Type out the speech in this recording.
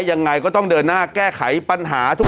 ยังไงก็ต้องเดินหน้าแก้ไขปัญหาทุก